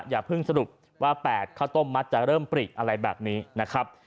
อย่าพึ่งสนุนว่าแปะเค้าต้มมัสจะเริ่มปรีกอะไรแบบนี้นะครับ